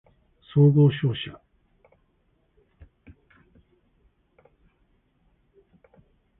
総合商社